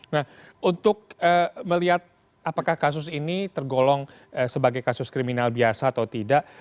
nah untuk melihat apakah kasus ini tergolong sebagai kasus kriminal biasa atau tidak